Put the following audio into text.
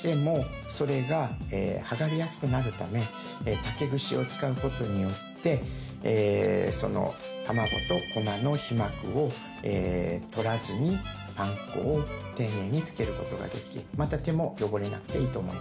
竹串を使うことによってえその卵と粉の皮膜を取らずにパン粉を丁寧に付けることができまた手も汚れなくていいと思います。